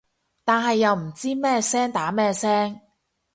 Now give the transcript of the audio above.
但係又唔知咩聲打咩聲